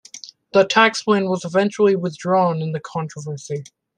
The tax plan was eventually withdrawn in the controversy.